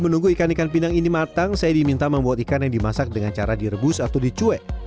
kalau untuk bikin ikan pindang ini matang saya diminta membuat ikan yang dimasak dengan cara direbus atau dicue